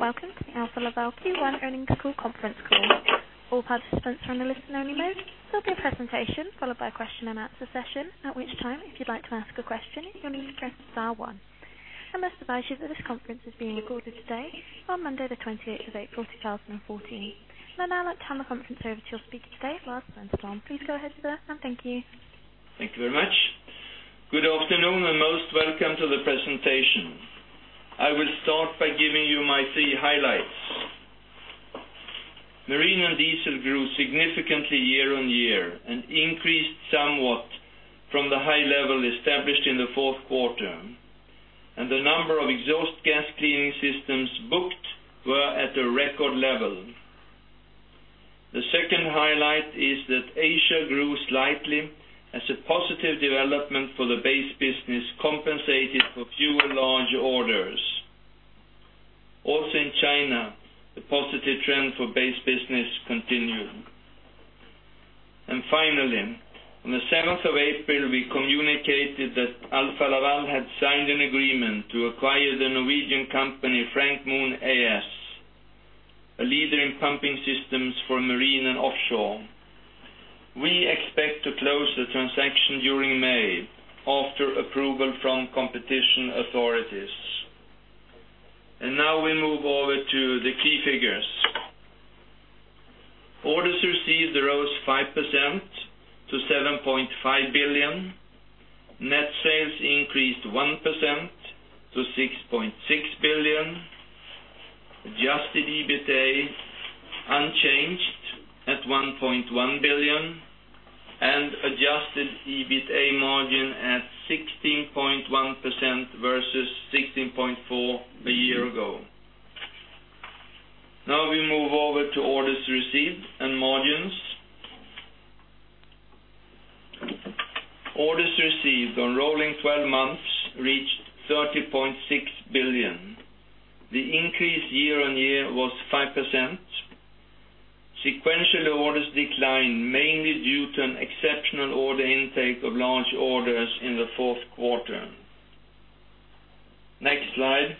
Welcome to the Alfa Laval Q1 earnings all conference call. All participants are on a listen-only mode. There'll be a presentation, followed by a question-and-answer session, at which time, if you'd like to ask a question, you'll need to press star one. I must advise you that this conference is being recorded today, on Monday the 28th of April, 2014. I'd now like to hand the conference over to your speaker today, Lars Renström. Please go ahead, sir, and thank you. Thank you very much. Good afternoon, and most welcome to the presentation. I will start by giving you my key highlights. Marine & Diesel grew significantly year-on-year and increased somewhat from the high level established in the fourth quarter, and the number of exhaust gas cleaning systems booked were at a record level. The second highlight is that Asia grew slightly as a positive development for the base business compensated for fewer large orders. Also in China, the positive trend for base business continued. Finally, on the 7th of April, we communicated that Alfa Laval had signed an agreement to acquire the Norwegian company Frank Mohn AS, a leader in pumping systems for Marine & Offshore. We expect to close the transaction during May, after approval from competition authorities. Now we move over to the key figures. Orders received rose 5% to 7.5 billion. Net sales increased 1% to 6.6 billion. Adjusted EBITDA, unchanged at 1.1 billion, and adjusted EBITDA margin at 16.1% versus 16.4% a year ago. Now we move over to orders received and margins. Orders received on rolling 12 months reached 30.6 billion. The increase year-on-year was 5%. Sequentially, orders declined mainly due to an exceptional order intake of large orders in the fourth quarter. Next slide.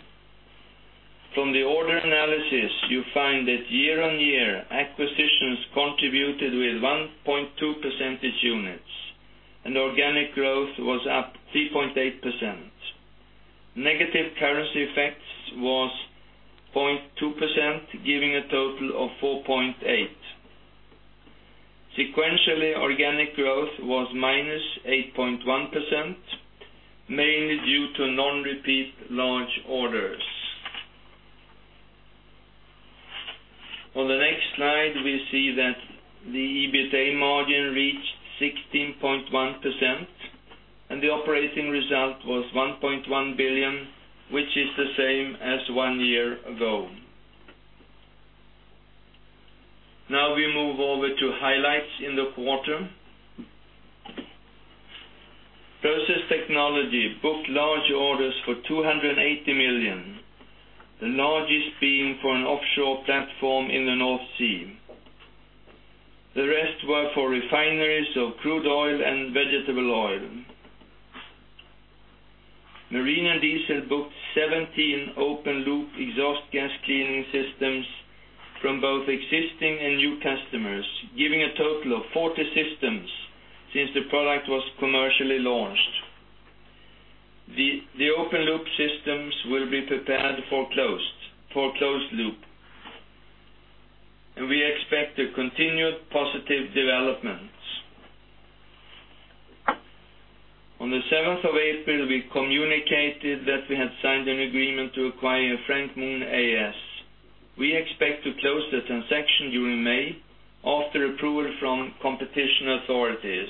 From the order analysis, you find that year-on-year acquisitions contributed with 1.2 percentage units, and organic growth was up 3.8%. Negative currency effects was 0.2%, giving a total of 4.8%. Sequentially, organic growth was minus 8.1%, mainly due to non-repeat large orders. On the next slide, we see that the EBITDA margin reached 16.1%, and the operating result was 1.1 billion, which is the same as one year ago. Now we move over to highlights in the quarter. Process Technology booked large orders for 280 million, the largest being for an offshore platform in the North Sea. The rest were for refineries of crude oil and vegetable oil. Marine & Diesel booked 17 open-loop exhaust gas cleaning systems from both existing and new customers, giving a total of 40 systems since the product was commercially launched. The open-loop systems will be prepared for closed loop, and we expect a continued positive developments. On the 7th of April, we communicated that we had signed an agreement to acquire Frank Mohn AS. We expect to close the transaction during May, after approval from competition authorities.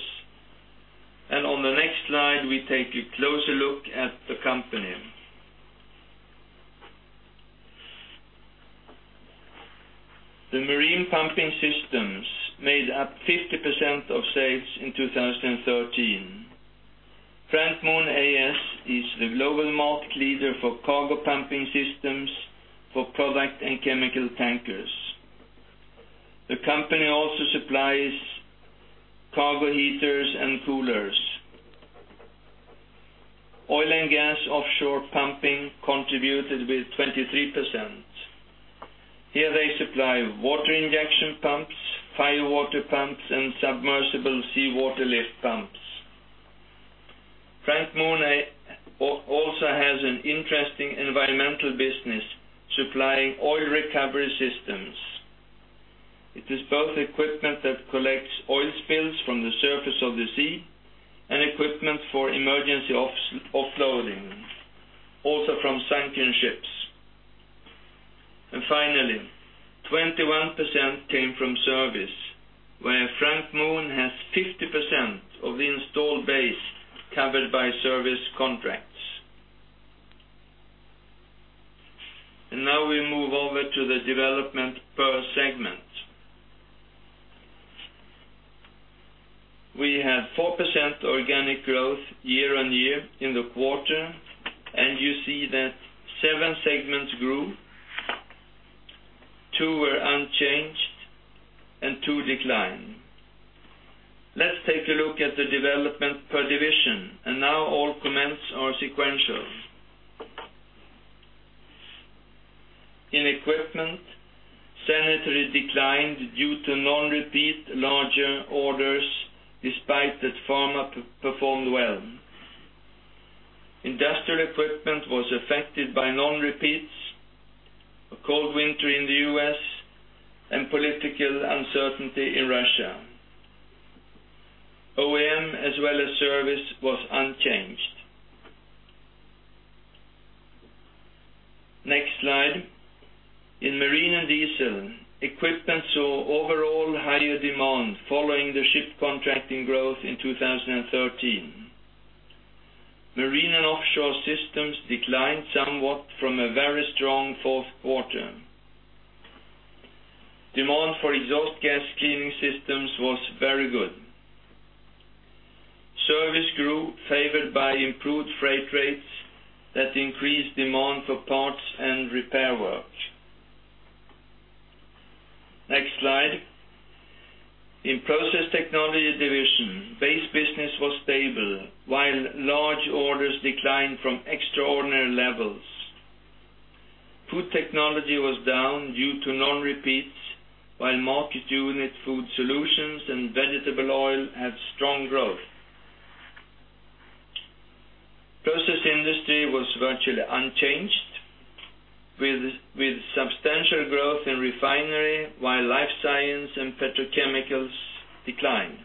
On the next slide, we take a closer look at the company. The Marine Pumping Systems made up 50% of sales in 2013. Frank Mohn AS is the global market leader for cargo pumping systems for product and chemical tankers. The company also supplies cargo heaters and coolers. Oil and gas offshore pumping contributed with 23%. Here they supply water injection pumps, fire water pumps, and submersible seawater lift pumps. Frank Mohn also has an interesting environmental business supplying oil recovery systems. It is both Equipment that collects oil spills from the surface of the sea, and equipment for emergency offloading, also from sunken ships. Finally, 21% came from Service, where Frank Mohn has 50% of the installed base covered by Service contracts. Now we move over to the development per segment. We had 4% organic growth year-on-year in the quarter. You see that seven segments grew, two were decline. Let's take a look at the development per division. Now all comments are sequential. In Equipment, Sanitary declined due to non-repeat larger orders, despite that pharma performed well. Industrial Equipment was affected by non-repeats, a cold winter in the U.S., and political uncertainty in Russia. OEM as well as Service was unchanged. Next slide. In Marine & Diesel, Equipment saw overall higher demand following the ship contracting growth in 2013. Marine & Offshore Systems declined somewhat from a very strong fourth quarter. Demand for exhaust gas cleaning systems was very good. Service grew, favored by improved freight rates that increased demand for parts and repair work. Next slide. In Process Technology division, base business was stable, while large orders declined from extraordinary levels. Food technology was down due to non-repeats, while market unit food solutions and vegetable oil had strong growth. Process industry was virtually unchanged, with substantial growth in refinery, while life science and petrochemicals declined.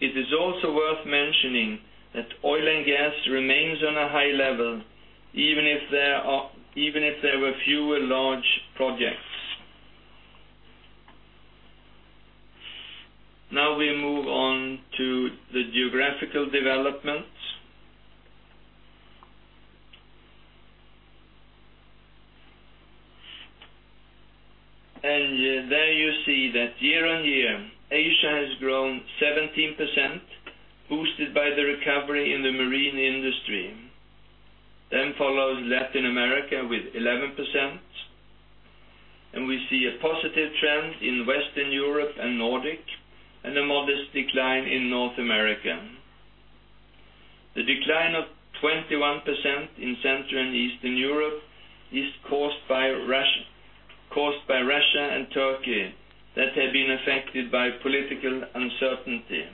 It is also worth mentioning that oil and gas remains on a high level, even if there were fewer large projects. Now we move on to the geographical developments. There you see that year-on-year, Asia has grown 17%, boosted by the recovery in the marine industry. Follows Latin America with 11%. We see a positive trend in Western Europe and Nordic. A modest decline in North America. The decline of 21% in Central and Eastern Europe is caused by Russia and Turkey, that have been affected by political uncertainty.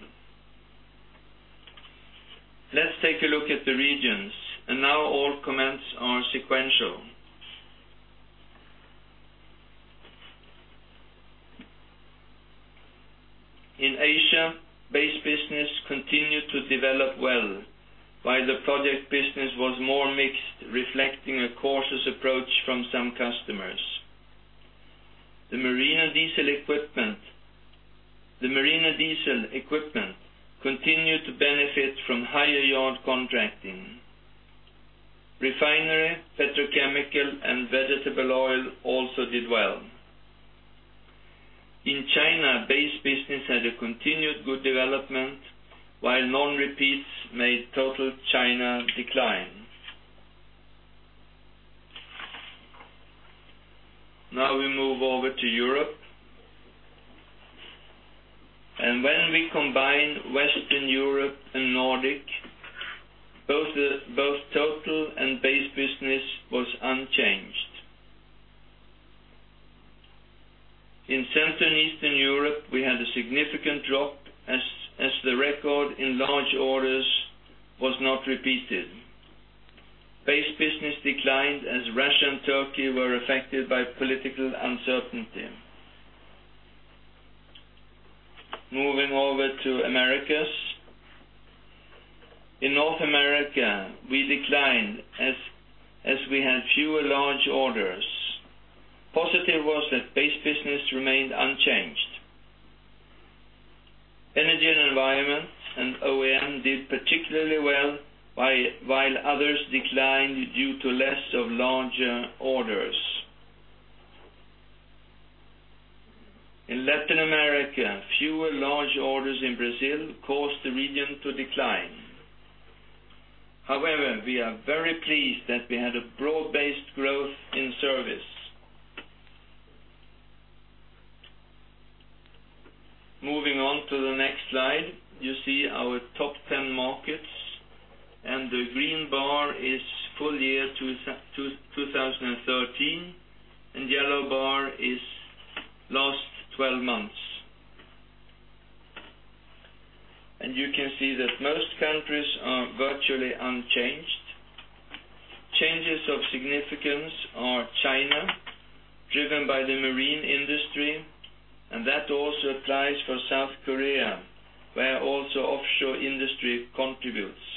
Let's take a look at the regions. Now all comments are sequential. In Asia, base business continued to develop well, while the project business was more mixed, reflecting a cautious approach from some customers. The Marine & Diesel Equipment continued to benefit from higher yard contracting. Refinery, petrochemical, and vegetable oil also did well. In China, base business had a continued good development, while non-repeats made total China decline. Now we move over to Europe. When we combine Western Europe and Nordic, both total and base business was unchanged. In Central and Eastern Europe, we had a significant drop as the record in large orders was not repeated. Base business declined as Russia and Turkey were affected by political uncertainty. Moving over to Americas. In North America, we declined as we had fewer large orders. Positive was that base business remained unchanged. Energy and environment and OEM did particularly well, while others declined due to less of larger orders. In Latin America, fewer large orders in Brazil caused the region to decline. However, we are very pleased that we had a broad-based growth in Service. Moving on to the next slide, you see our top 10 markets. The green bar is full year 2013. Yellow bar is last 12 months. You can see that most countries are virtually unchanged. Changes of significance are China, driven by the marine industry, and that also applies for South Korea, where also offshore industry contributes.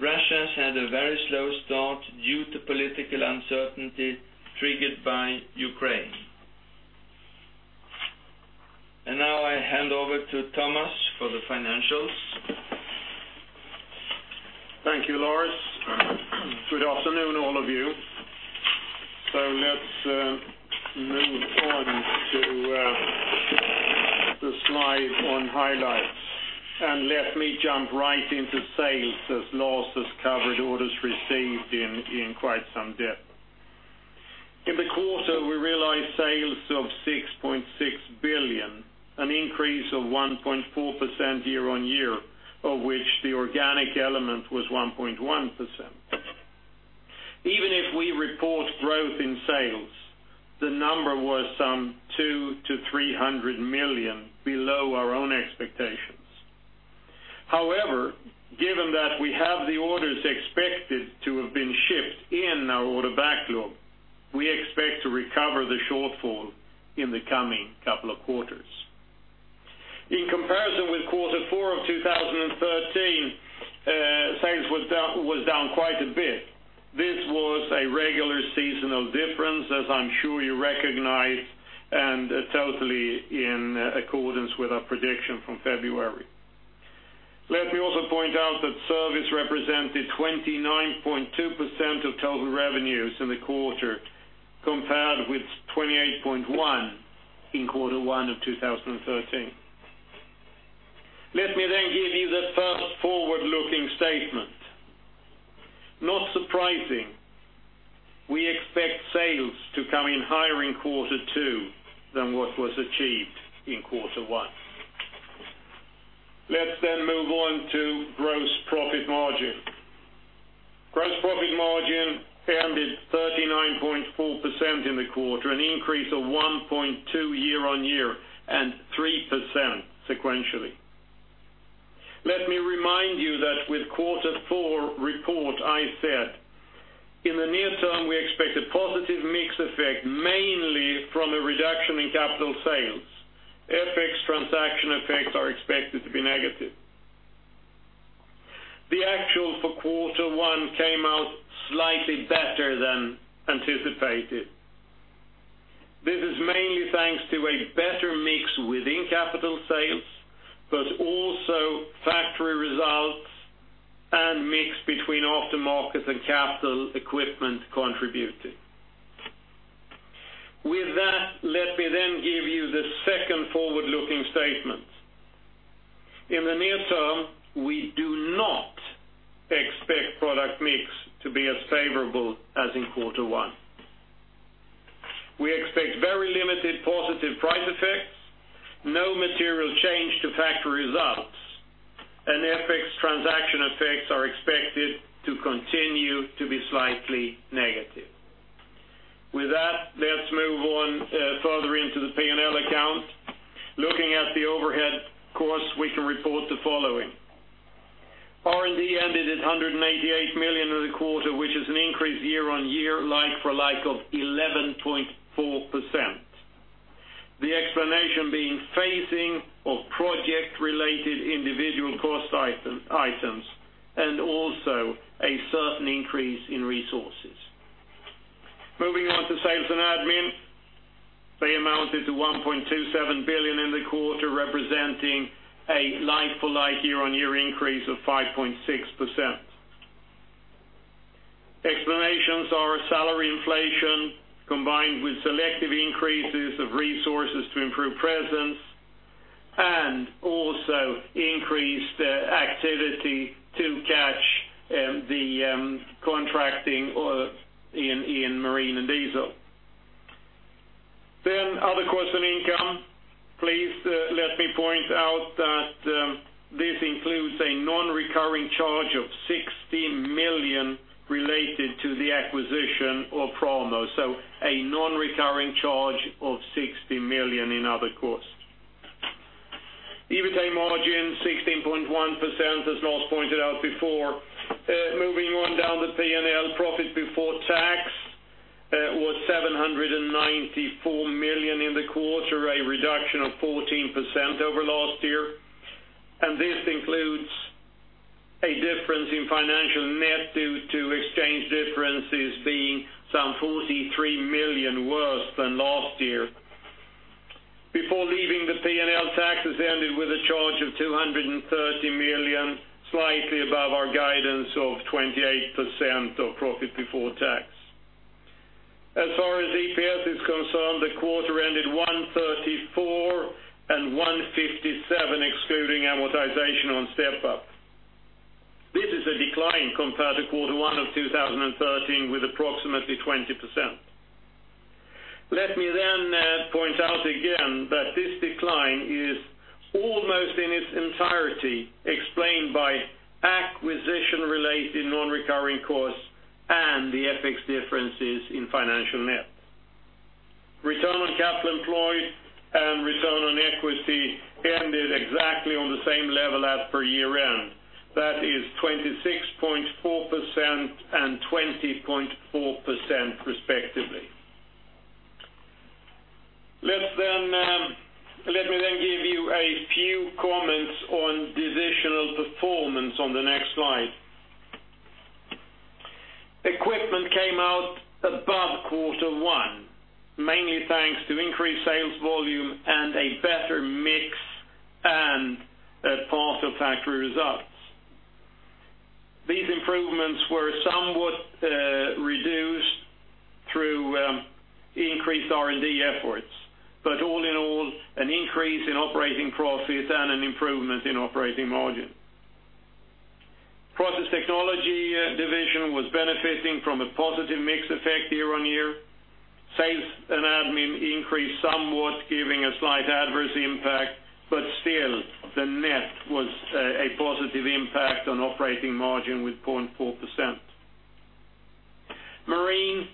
Russia's had a very slow start due to political uncertainty triggered by Ukraine. Now I hand over to Thomas for the financials. Thank you, Lars. Good afternoon, all of you. Highlights. Let me jump right into sales, as Lars has covered orders received in quite some depth. In the quarter, we realized sales of 6.6 billion, an increase of 1.4% year-on-year, of which the organic element was 1.1%. Even if we report growth in sales, the number was some 200 million-300 million below our own expectations. However, given that we have the orders expected to have been shipped in our order backlog, we expect to recover the shortfall in the coming couple of quarters. In comparison with quarter four of 2013, sales was down quite a bit. This was a regular seasonal difference, as I'm sure you recognize, and totally in accordance with our prediction from February. Let me also point out that Service represented 29.2% of total revenues in the quarter, compared with 28.1% in quarter one of 2013. Let me give you the first forward-looking statement. Not surprising, we expect sales to come in higher in quarter two than what was achieved in quarter one. Let's move on to gross profit margin. Gross profit margin ended 39.4% in the quarter, an increase of 1.2% year-on-year and 3% sequentially. Let me remind you that with quarter four report, I said, in the near term, we expect a positive mix effect, mainly from a reduction in capital sales. FX transaction effects are expected to be negative. The actuals for quarter one came out slightly better than anticipated. This is mainly thanks to a better mix within capital sales, but also factory results and mix between aftermarket and capital equipment contributing. With that, let me give you the second forward-looking statement. In the near term, we do not expect product mix to be as favorable as in quarter one. We expect very limited positive price effects, no material change to factory results, and FX transaction effects are expected to continue to be slightly negative. With that, let's move on further into the P&L account. Looking at the overhead costs, we can report the following. R&D ended at 188 million in the quarter, which is an increase year-on-year like-for-like of 11.4%. The explanation being phasing of project-related individual cost items, and also a certain increase in resources. Moving on to sales and admin. They amounted to 1.27 billion in the quarter, representing a like-for-like year-on-year increase of 5.6%. Explanations are a salary inflation, combined with selective increases of resources to improve presence, and also increased activity to catch the contracting in Marine & Diesel. Other cost and income. Please let me point out that this includes a non-recurring charge of 60 million related to the acquisition of Frank Mohn. A non-recurring charge of 60 million in other costs. EBITA margin 16.1%, as Lars pointed out before. Moving on down the P&L, profit before tax was 794 million in the quarter, a reduction of 14% over last year, and this includes a difference in financial net due to exchange differences being some 43 million worse than last year. Before leaving the P&L, taxes ended with a charge of 230 million, slightly above our guidance of 28% of profit before tax. As far as EPS is concerned, the quarter ended 134 and 157, excluding amortization on step-up. This is a decline compared to quarter 1 of 2013 with approximately 20%. Let me point out again that this decline is almost in its entirety explained by acquisition-related non-recurring costs and the FX differences in financial net. Return on capital employed and return on equity ended exactly on the same level as per year-end. That is 26.4% and 20.4% respectively. Let me give you a few comments on divisional performance on the next slide. Equipment came out above quarter 1, mainly thanks to increased sales volume and a better mix, and a positive R&D efforts. All in all, an increase in operating profits and an improvement in operating margin. Process Technology division was benefiting from a positive mix effect year-on-year. Sales and admin increased somewhat, giving a slight adverse impact, still, the net was a positive impact on operating margin with 0.4%. Marine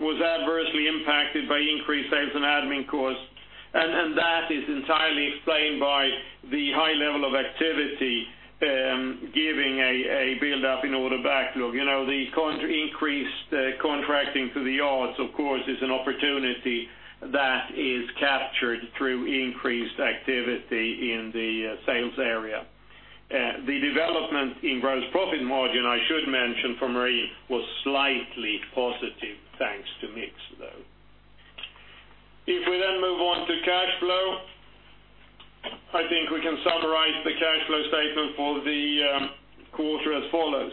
was adversely impacted by increased sales and admin costs, that is entirely explained by the high level of activity, giving a build-up in order backlog. The increased contracting to the yards, of course, is an opportunity that is captured through increased activity in the sales area. The development in gross profit margin, I should mention for Marine, was slightly positive, thanks to mix, though. If we move on to cash flow, I think we can summarize the cash flow statement for the quarter as follows.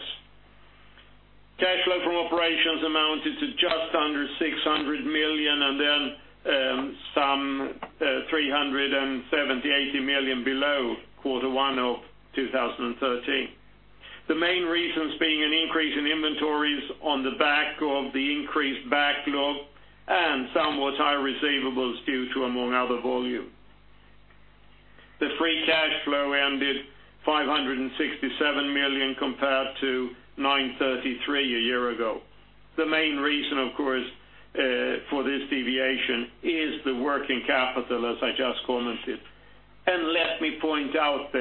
Cash flow from operations amounted to just under 600 million, some 370, 380 million below quarter 1 of 2013. The main reasons being an increase in inventories on the back of the increased backlog and somewhat higher receivables due to, among other volume. The free cash flow ended 567 million compared to 933 million a year ago. The main reason, of course, for this deviation is the working capital, as I just commented. Let me point out,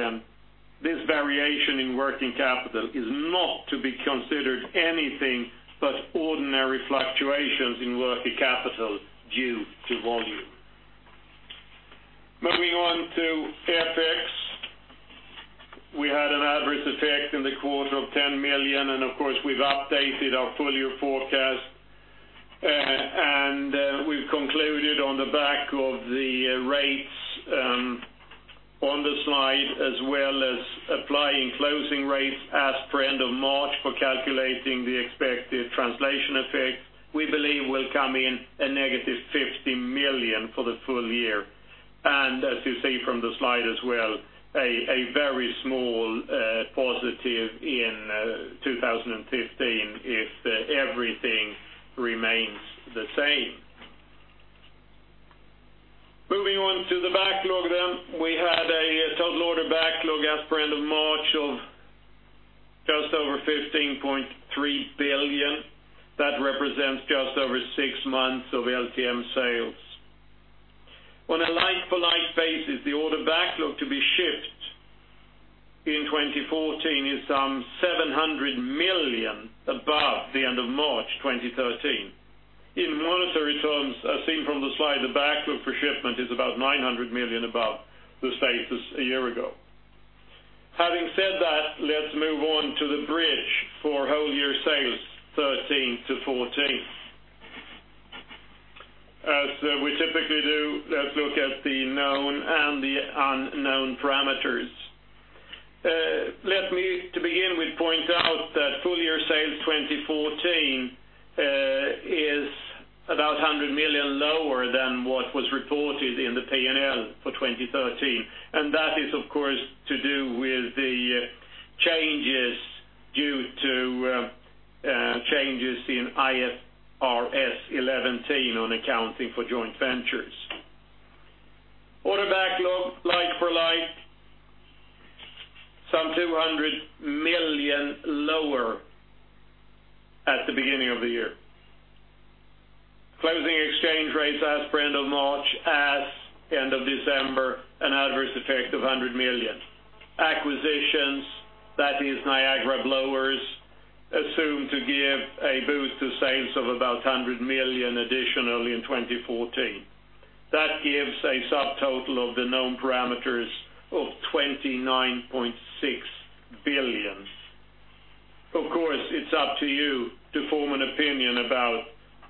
this variation in working capital is not to be considered anything but ordinary fluctuations in working capital due to volume. Moving on to FX. We had an adverse effect in the quarter of 10 million, of course, we've updated our full-year forecast. We've concluded on the back of the rates on the slide, as well as applying closing rates as per end of March for calculating the expected translation effect, we believe will come in a negative 50 million for the full year. As you see from the slide as well, a very small positive in 2015 if everything remains the same. Moving on to the backlog. We had a total order backlog as per end of March of just over 15.3 billion. That represents just over six months of LTM sales. On a like-for-like basis, the order backlog to be shipped in 2014 is some 700 million above the end of March 2013. In monetary terms, as seen from the slide, the backlog for shipment is about 900 million above the status a year ago. Having said that, let's move on to the bridge for whole year sales 2013 to 2014. As we typically do, let's look at the known and the unknown parameters. Let me, to begin with, point out that full-year sales 2014 is about 100 million lower than what was reported in the P&L for 2013, that is, of course, to do with the changes due to changes in IFRS 11 on accounting for joint ventures. Order backlog, like-for-like, some 200 million lower at the beginning of the year. Closing exchange rates as per end of March, as end of December, an adverse effect of 100 million. Acquisitions, that is Niagara Blower, assumed to give a boost to sales of about 100 million additionally in 2014. That gives a subtotal of the known parameters of 29.6 billion. Of course, it is up to you to form an opinion about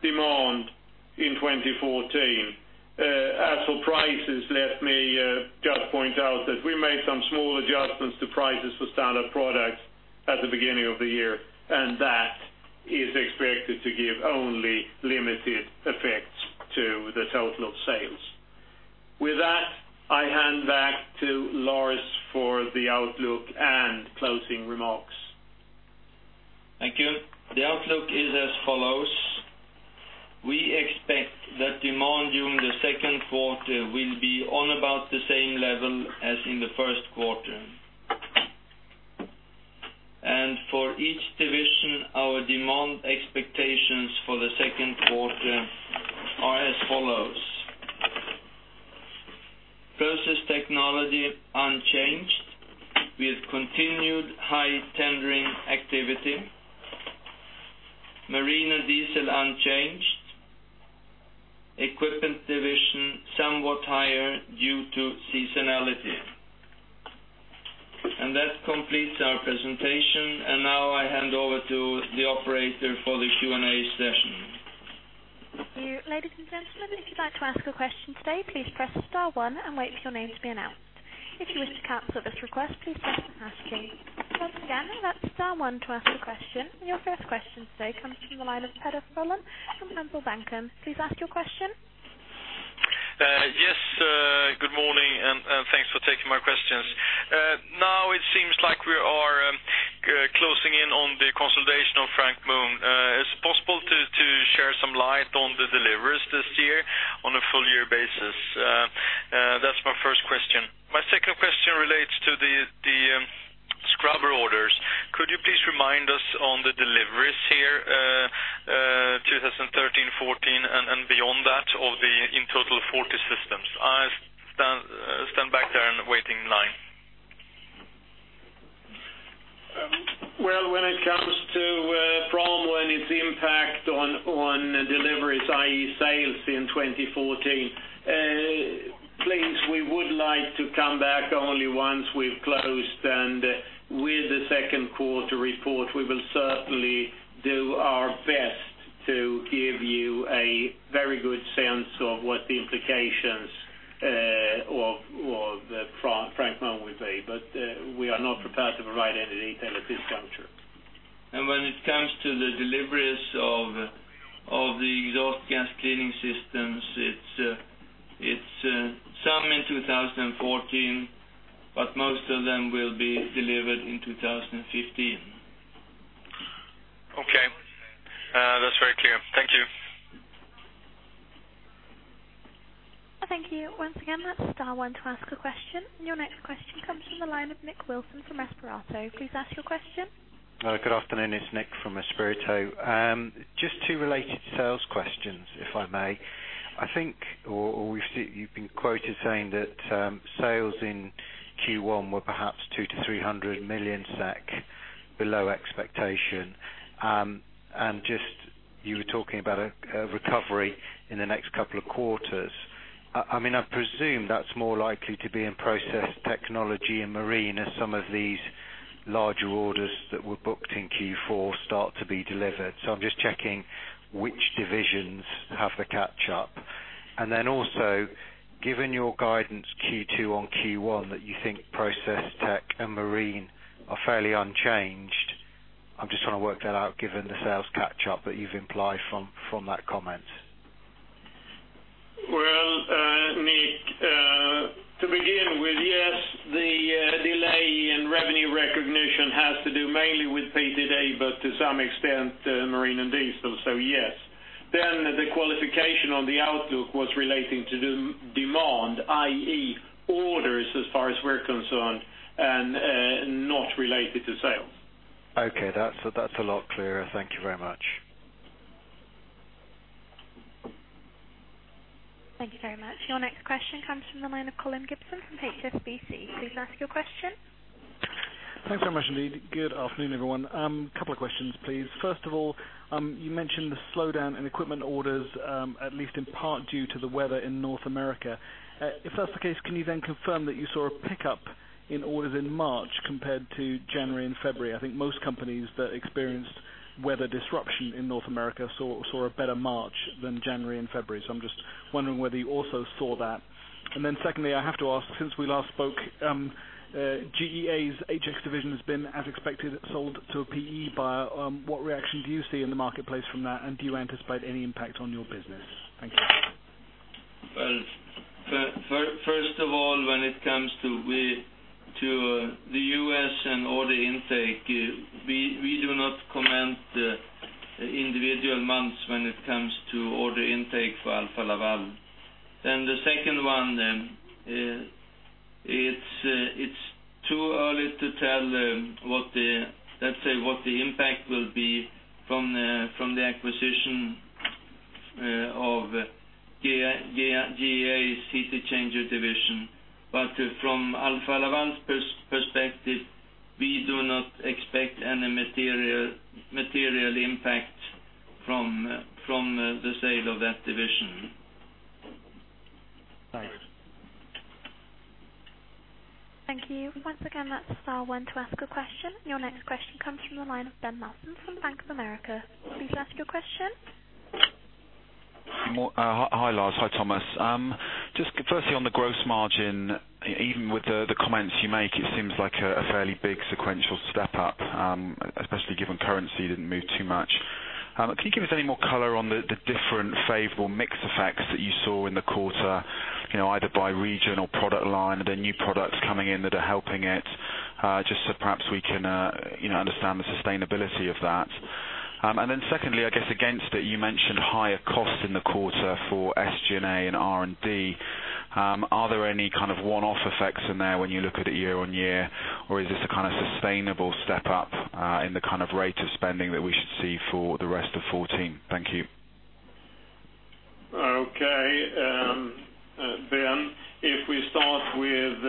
demand in 2014. As for prices, let me just point out that we made some small adjustments to prices for standard products at the beginning of the year, that is expected to give only limited effects to the total of sales. With that, I hand back to Lars for the outlook and closing remarks. Thank you. The outlook is as follows. We expect that demand during the second quarter will be on about the same level as in the first quarter. For each division, our demand expectations for the second quarter are as follows. Process Technology, unchanged, with continued high tendering activity. Marine & Diesel, unchanged. Equipment division, somewhat higher due to seasonality. That completes our presentation, now I hand over to the operator for the Q&A session. Thank you. Ladies and gentlemen, if you would like to ask a question today, please press star one and wait for your name to be announced. If you wish to cancel this request, please press hash key. Once again, that is star one to ask a question. Your first question today comes from the line of Peter Frolund from Handelsbanken. Please ask your question. Yes. Good morning, thanks for taking my questions. Now it seems like we are closing in on the consolidation of Frank Mohn. Is it possible to share some light on the deliveries this year on a full-year basis? That's my first question. My second question relates to the scrubber orders. Could you please remind us on the deliveries here, 2013, 2014, and beyond that of the, in total, 40 systems? I stand back there and wait in line. Well, when it comes to Frank Mohn its impact on deliveries, i.e., sales in 2014. Please, we would like to come back only once we've closed and with the second quarter report, we will certainly do our best to give you a very good sense of what the implications of the Frank Mohn will be. We are not prepared to provide any detail at this juncture. When it comes to the deliveries of the exhaust gas cleaning systems, it's some in 2014, but most of them will be delivered in 2015. Okay. That's very clear. Thank you. Thank you. Once again, that's star one to ask a question. Your next question comes from the line of Nick Wilson from Espirito. Please ask your question. Good afternoon. It's Nick from Espirito. Just two related sales questions, if I may. I think, or you've been quoted saying that sales in Q1 were perhaps 200 million-300 million SEK below expectation. You were talking about a recovery in the next couple of quarters. I presume that's more likely to be in Process Technology and Marine as some of these larger orders that were booked in Q4 start to be delivered. I'm just checking which divisions have the catch-up. Then also, given your guidance Q2 on Q1 that you think Process Tech and Marine are fairly unchanged, I'm just trying to work that out given the sales catch-up that you've implied from that comment. Well, Nick, to begin with, yes, the delay in revenue recognition has to do mainly with PTD, but to some extent, Marine & Diesel, yes. The qualification on the outlook was relating to demand, i.e., orders as far as we're concerned and not related to sales. Okay. That's a lot clearer. Thank you very much. Thank you very much. Your next question comes from the line of Colin Gibson from HSBC. Please ask your question. Thanks very much, indeed. Good afternoon, everyone. Couple of questions, please. First of all, you mentioned the slowdown in Equipment orders, at least in part due to the weather in North America. If that's the case, can you then confirm that you saw a pickup in orders in March compared to January and February? I think most companies that experienced weather disruption in North America saw a better March than January and February. I'm just wondering whether you also saw that. Secondly, I have to ask, since we last spoke, GEA's HX division has been, as expected, sold to a PE buyer. What reaction do you see in the marketplace from that, and do you anticipate any impact on your business? Thank you. First of all, when it comes to the U.S. and order intake, we do not comment individual months when it comes to order intake for Alfa Laval. The second one, it's too early to tell, let's say, what the impact will be from the acquisition of GEA's heat exchanger division. From Alfa Laval's perspective, we do not expect any material impact from the sale of that division. Thanks. Thank you. Once again, that's star one to ask a question. Your next question comes from the line of Ben Nelson from Bank of America. Please ask your question. Hi, Lars. Hi, Thomas. Just firstly on the gross margin, even with the comments you make, it seems like a fairly big sequential step-up, especially given currency didn't move too much. Can you give us any more color on the different favorable mix effects that you saw in the quarter, either by region or product line? Are there new products coming in that are helping it? Just so perhaps we can understand the sustainability of that. Secondly, I guess against it, you mentioned higher costs in the quarter for SG&A and R&D. Are there any kind of one-off effects in there when you look at it year-on-year, or is this a kind of sustainable step-up in the rate of spending that we should see for the rest of 2014? Thank you. Okay. Ben, if we start with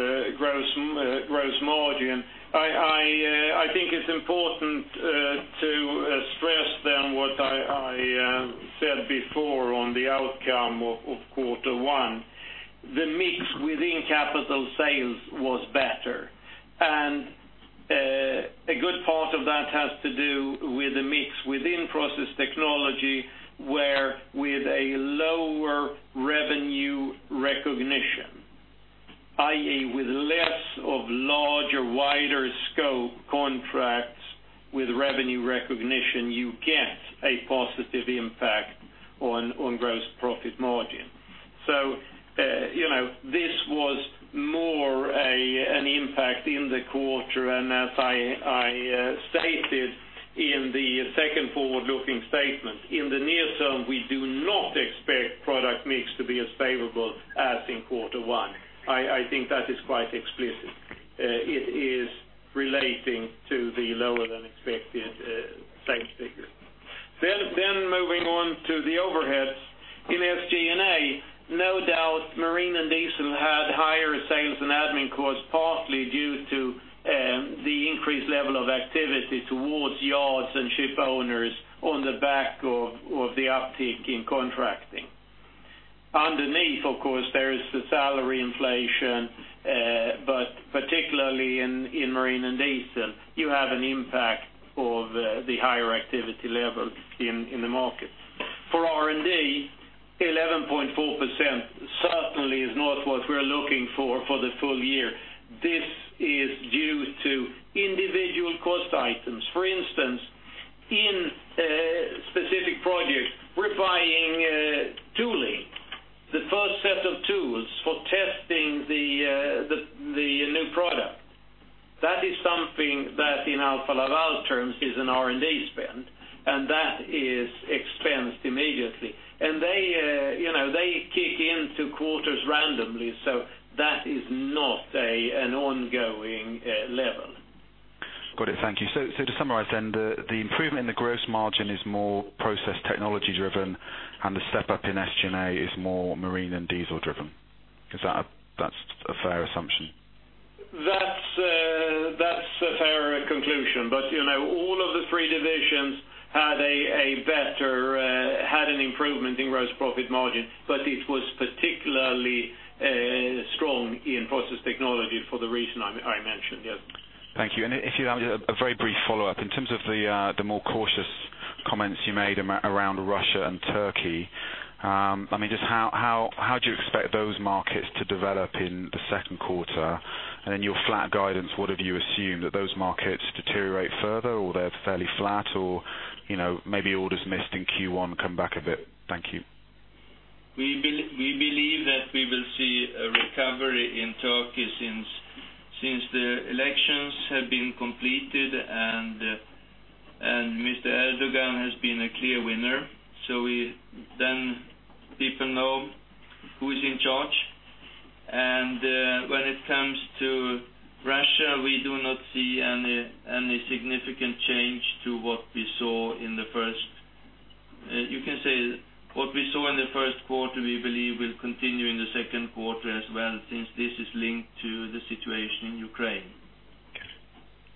gross margin, I think it's important to stress then what I said before on the outcome of quarter one. The mix within capital sales was better. That has to do with the mix within Process Technology, where with a lower revenue recognition, i.e., with less of larger, wider scope contracts with revenue recognition, you get a positive impact on gross profit margin. This was more an impact in the quarter, and as I stated in the second forward-looking statement, in the near term, we do not expect product mix to be as favorable as in quarter one. I think that is quite explicit. It is relating to the lower than expected sales figure. Moving on to the overheads. In SG&A, no doubt, Marine & Diesel had higher sales and admin costs, partly due to the increased level of activity towards yards and ship owners on the back of the uptick in contracting. Underneath, of course, there is the salary inflation, but particularly in Marine & Diesel, you have an impact of the higher activity level in the market. For R&D, 11.4% certainly is not what we're looking for the full year. This is due to individual cost items. For instance, in specific projects, we're buying tooling, the first set of tools for testing the new product. That is something that in Alfa Laval terms is an R&D spend, and that is expensed immediately. They kick in to quarters randomly, so that is not an ongoing level. Got it. Thank you. To summarize then, the improvement in the gross margin is more Process Technology driven, and the step up in SG&A is more Marine & Diesel driven. Is that a fair assumption? That's a fair conclusion. All of the three divisions had an improvement in gross profit margin, but it was particularly strong in Process Technology for the reason I mentioned. Yes. Thank you. If you have, a very brief follow-up, in terms of the more cautious comments you made around Russia and Turkey. Just how do you expect those markets to develop in the second quarter? In your flat guidance, what have you assumed, that those markets deteriorate further or they're fairly flat, or maybe orders missed in Q1 come back a bit? Thank you. We believe that we will see a recovery in Turkey since the elections have been completed, and Mr. Erdoğan has been a clear winner, so then people know who is in charge. When it comes to Russia, we do not see any significant change to what we saw in the first quarter. You can say what we saw in the first quarter we believe will continue in the second quarter as well, since this is linked to the situation in Ukraine.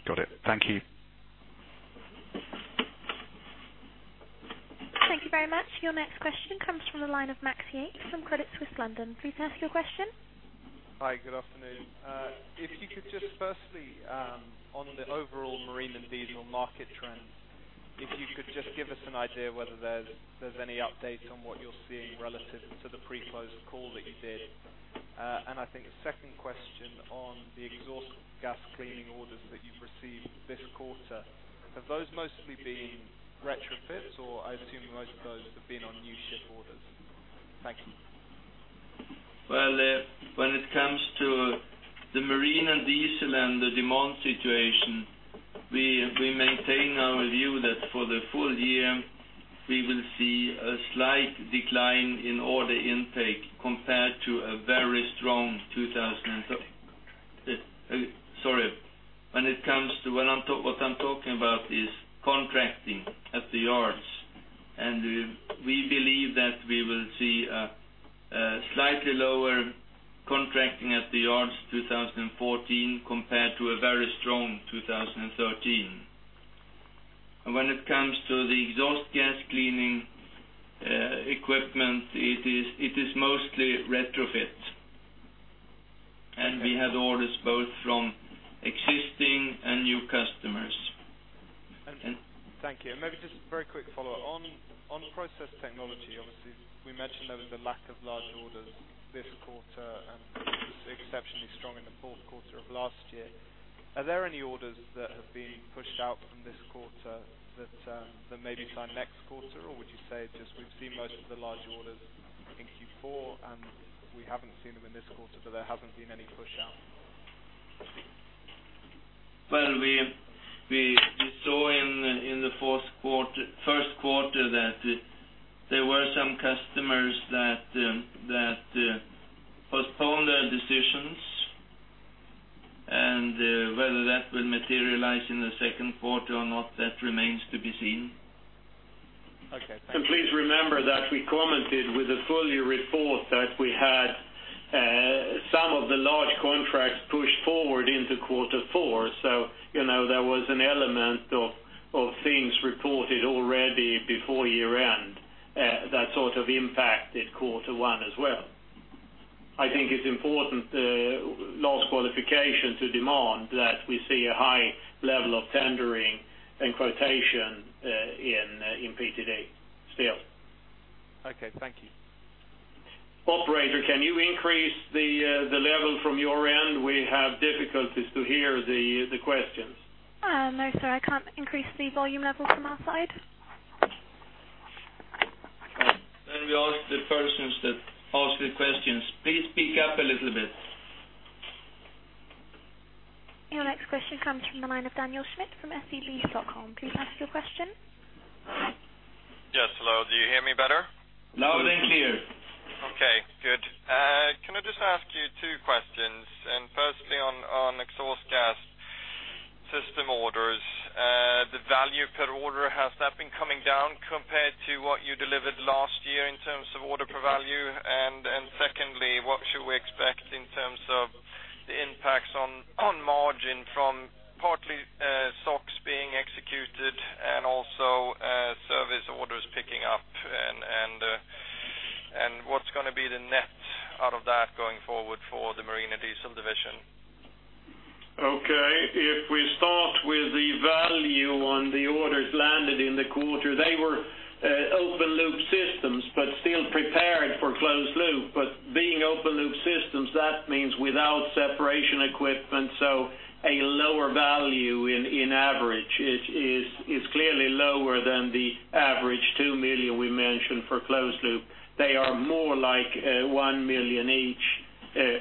Got it. Thank you. Thank you very much. Your next question comes from the line of Max Yates from Credit Suisse, London. Please ask your question. Hi, good afternoon. If you could just firstly, on the overall Marine and Diesel market trends, if you could just give us an idea whether there's any update on what you're seeing relative to the pre-close call that you did. I think a second question on the exhaust gas cleaning orders that you've received this quarter. Have those mostly been retrofits, or I assume most of those have been on new ship orders? Thank you. Well, when it comes to the Marine & Diesel and the demand situation, we maintain our view that for the full year, we will see a slight decline in order intake compared to a very strong 2013. Sorry. What I'm talking about is contracting at the yards, and we believe that we will see a slightly lower contracting at the yards 2014 compared to a very strong 2013. When it comes to the exhaust gas cleaning equipment, it is mostly retrofit, and we had orders both from existing and new customers. Thank you. Maybe just very quick follow-up. On Process Technology, obviously, we mentioned there was a lack of large orders this quarter, and it was exceptionally strong in the fourth quarter of last year. Are there any orders that have been pushed out from this quarter that maybe sign next quarter, or would you say it's just we've seen most of the large orders in Q4, and we haven't seen them in this quarter, but there hasn't been any push-out? Well, we saw in the first quarter that there were some customers that postponed their decisions, whether that will materialize in the second quarter or not, that remains to be seen. Okay. Thank you. Please remember that we commented with the full year report that we had some of the large contracts pushed forward into quarter four. There was an element of things reported already before year-end, sort of impacted quarter one as well. I think it's important, Lars' qualification to demand, that we see a high level of tendering and quotation in PTD still. Okay, thank you. Operator, can you increase the level from your end? We have difficulties to hear the questions. No, sir, I can't increase the volume level from our side. We ask the persons that ask the questions, please speak up a little bit. Your next question comes from the line of Daniel Schmidt from SEB. Please ask your question. Yes, hello. Do you hear me better? Loud and clear. Okay, good. Can I just ask you two questions? Firstly on exhaust gas system orders, the value per order, has that been coming down compared to what you delivered last year in terms of order per value? Secondly, what should we expect in terms of the impacts on margin from partly SOx being executed and also Service orders picking up? What's going to be the net out of that going forward for the Marine and Diesel division? Okay. If we start with the value on the orders landed in the quarter, they were open-loop systems, but still prepared for closed loop. Being open-loop systems, that means without separation equipment, so a lower value in average. It is clearly lower than the average 2 million we mentioned for closed loop. They are more like 1 million each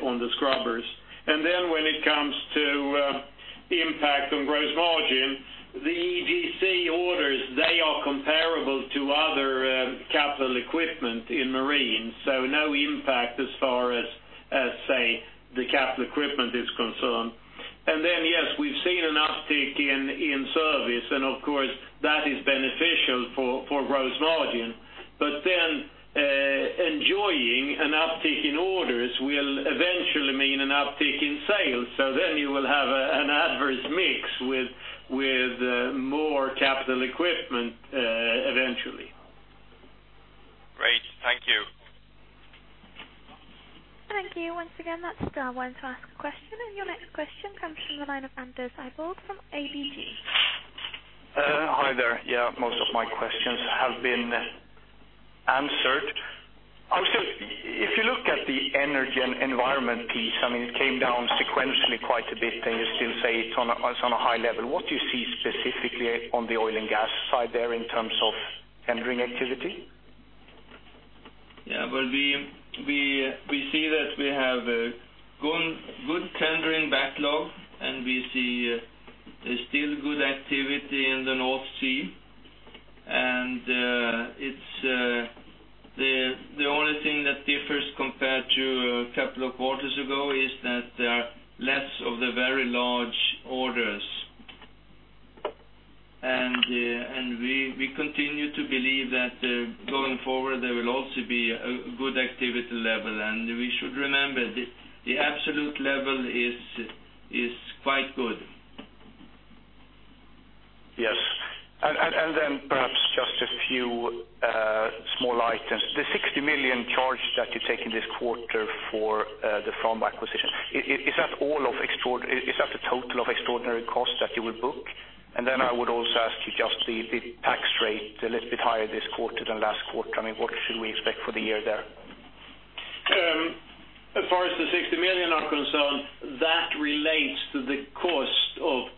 on the scrubbers. When it comes to impact on gross margin, the EGC orders, they are comparable to other capital equipment in Marine, so no impact as far as, say, the capital equipment is concerned. Yes, we've seen an uptick in Service, and of course, that is beneficial for gross margin. Enjoying an uptick in orders will eventually mean an uptick in sales. You will have an adverse mix with more capital equipment, eventually. Great. Thank you. Thank you. Once again, that's star one to ask a question. Your next question comes from the line of Anders Idborg from ABG. Hi there. Most of my questions have been answered. If you look at the energy and environment piece, it came down sequentially quite a bit. You still say it's on a high level. What do you see specifically on the oil and gas side there in terms of tendering activity? We see that we have good tendering backlog. We see there's still good activity in the North Sea. The only thing that differs compared to a couple of quarters ago is that there are less of the very large orders. We continue to believe that going forward, there will also be a good activity level. We should remember, the absolute level is quite good. Yes. Then perhaps just a few small items. The 60 million charge that you take in this quarter for the Frank Mohn acquisition, is that the total of extraordinary costs that you will book? Then I would also ask you, just the tax rate, a little bit higher this quarter than last quarter. What should we expect for the year there? As far as the 60 million are concerned, that relates to the cost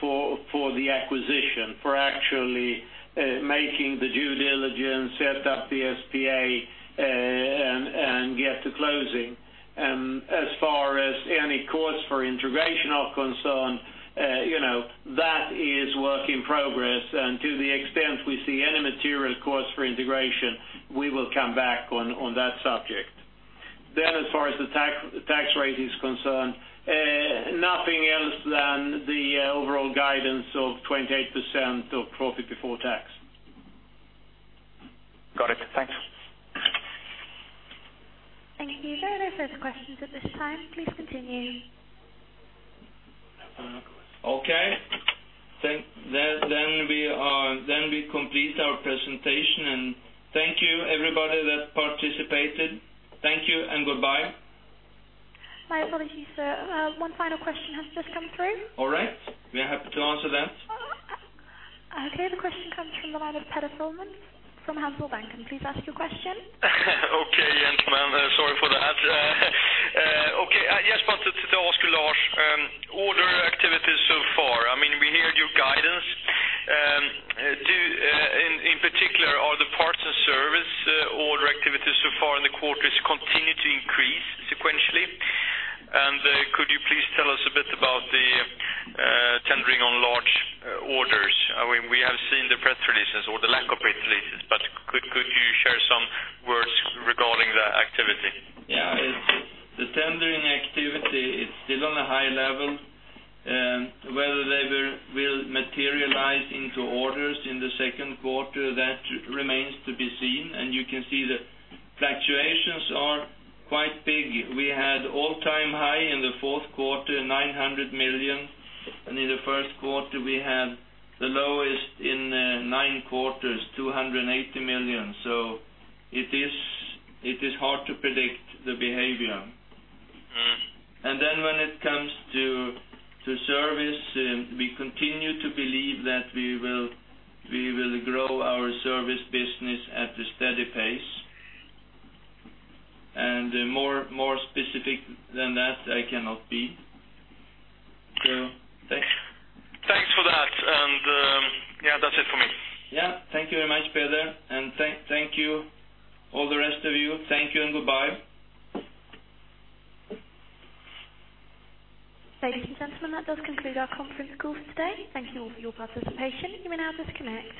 for the acquisition, for actually making the due diligence, set up the SPA, and get to closing. As far as any costs for integration are concerned, that is work in progress, and to the extent we see any material costs for integration, we will come back on that subject. As far as the tax rate is concerned, nothing else than the overall guidance of 28% of profit before tax. Got it. Thanks. Thank you. There are no further questions at this time. Please continue. Okay. We complete our presentation, thank you everybody that participated. Thank you and goodbye. My apologies, sir. One final question has just come through. All right, we are happy to answer that. Okay, the question comes from the line of Peder Silfverskiöld from Handelsbanken. Please ask your question. Okay, gentlemen, sorry for that. Okay. Just wanted to ask you, Lars, order activities so far. We hear your guidance. In particular, are the parts and service order activities so far in the quarters continue to increase sequentially? Could you please tell us a bit about the tendering on large orders? We have seen the press releases or the lack of press releases, could you share some words regarding the activity? Yeah. The tendering activity, it's still on a high level. Whether they will materialize into orders in the second quarter, that remains to be seen. You can see the fluctuations are quite big. We had all-time high in the fourth quarter, 900 million, and in the first quarter, we had the lowest in nine quarters, 280 million. It is hard to predict the behavior. When it comes to service, we continue to believe that we will grow our Service business at a steady pace. More specific than that, I cannot be. Thanks. Thanks for that. That's it for me. Thank you very much, Peder. Thank you all the rest of you. Thank you and goodbye. Ladies and gentlemen, that does conclude our conference call today. Thank you all for your participation. You may now disconnect.